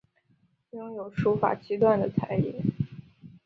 拥有书法七段的才艺。